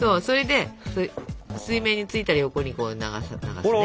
それで水面についたら横に流すのね。